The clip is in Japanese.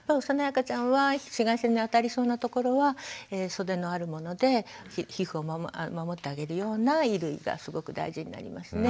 赤ちゃんは紫外線に当たりそうなところは袖のあるもので皮膚を守ってあげるような衣類がすごく大事になりますね。